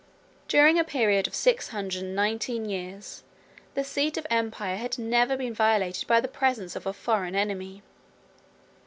] During a period of six hundred and nineteen years, the seat of empire had never been violated by the presence of a foreign enemy.